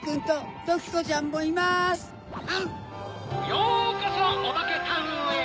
ようこそオバケタウンへ！